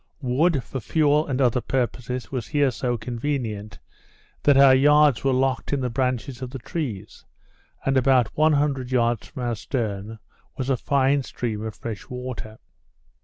Wood, for fuel and other purposes, was here so convenient, that our yards were locked in the branches of the trees; and, about 100 yards from our stern, was a fine stream of freshwater.